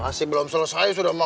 makasih belum selesai sudah makasih